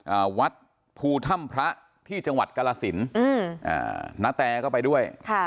อ่าวัดภูถ้ำพระที่จังหวัดกรสินอืมอ่าณแตก็ไปด้วยค่ะ